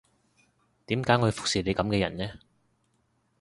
點解我要服侍你噉嘅人呢